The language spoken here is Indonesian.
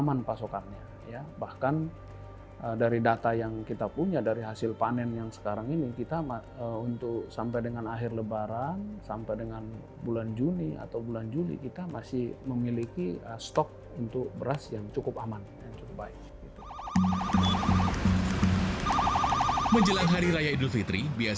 mari kita bersama meraih musimah ini